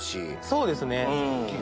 そうですね。